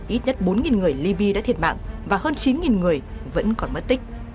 ít nhất bốn người liby đã thiệt mạng và hơn chín người vẫn còn mất tích